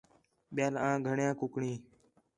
ٻِیال آں گھݨیاں کُکڑیں